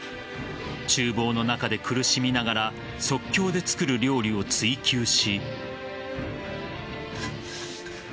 厨房の中で苦しみながら即興で作る料理を追求し。